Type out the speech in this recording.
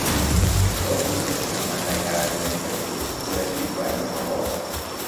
ڕۆژی سێشەممە لە کاتژمێر یەک و بیست خولەکی دوای نیوەڕۆ